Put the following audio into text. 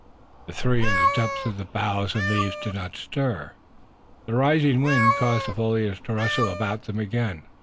The three in the depths of the boughs and leaves did not stir. The rising wind caused the foliage to rustle about them again.